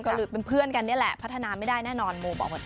ก็คือเป็นเพื่อนกันนี่แหละพัฒนาไม่ได้แน่นอนโมบอกเหมือนกัน